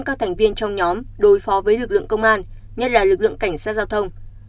các thành viên trong nhóm đối phó với lực lượng công an nhất là lực lượng cảnh sát giao thông